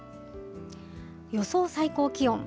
予想最高気温。